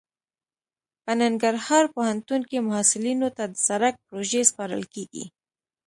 په ننګرهار پوهنتون کې محصلینو ته د سرک پروژې سپارل کیږي